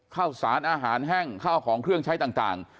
ข้าวสารอาหารแห้งข้าวของเครื่องใช้ต่าง